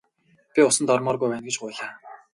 Би усанд ормооргүй байна гэж гуйлаа.